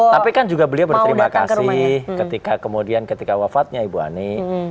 tapi kan juga beliau berterima kasih ketika kemudian ketika wafatnya ibu ani